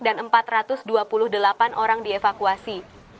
dan empat ratus dua puluh delapan orang dievakuasi